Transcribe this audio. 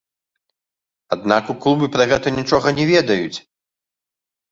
Аднак у клубе пра гэта нічога не ведаюць!